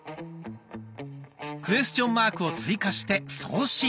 クエスチョンマークを追加して送信。